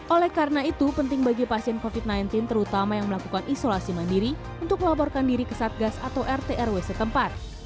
oleh karena itu penting bagi pasien covid sembilan belas terutama yang melakukan isolasi mandiri untuk melaporkan diri ke satgas atau rt rw setempat